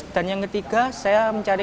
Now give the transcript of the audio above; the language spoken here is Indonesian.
dan yang ketiga saya mencari